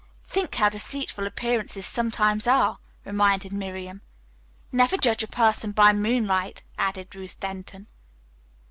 "Think how deceitful appearances sometimes are," reminded Miriam. "Never judge a person by moonlight," added Ruth Denton.